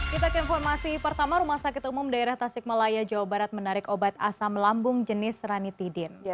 kita ke informasi pertama rumah sakit umum daerah tasik malaya jawa barat menarik obat asam lambung jenis ranitidin